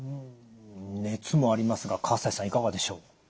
熱もありますが西さんいかがでしょう？